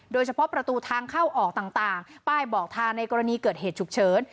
โดยเฉพาะประตูทางเข้าออกต่างป้ายบอกทางในกรณีเกิดเหตุฉุกเฉิน